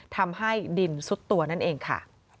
ทำให้ดินซุดตัวนั่นเองค่ะ